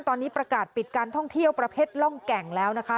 ตอนนี้ประกาศปิดการท่องเที่ยวประเภทร่องแก่งแล้วนะคะ